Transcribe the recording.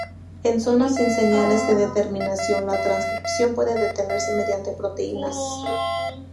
En zonas sin señales de terminación, la transcripción puede detenerse mediante proteínas rho.